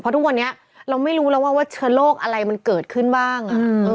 ทุกวันนี้เราไม่รู้แล้วว่าเชื้อโรคอะไรมันเกิดขึ้นบ้าง